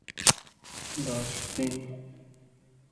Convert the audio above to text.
Serampore union মৌজা/গ্রাম নিয়ে গঠিত।